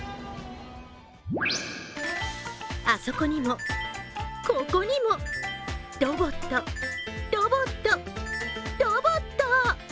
あそこにも、ここにも、ロボット、ロボット、ロボット。